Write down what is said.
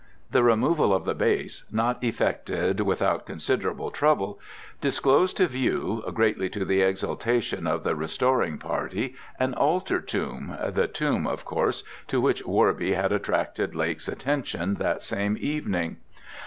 The removal of the base not effected without considerable trouble disclosed to view, greatly to the exultation of the restoring party, an altar tomb the tomb, of course, to which Worby had attracted Lake's attention that same evening.